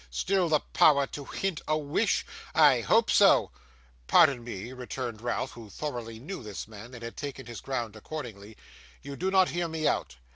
Still the power to hint a wish! I hope so!' 'Pardon me,' returned Ralph, who thoroughly knew his man, and had taken his ground accordingly; 'you do not hear me out.